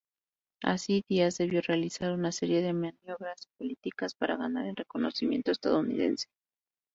Así, Díaz debió realizar una serie de maniobras políticas para ganar el reconocimiento estadounidense.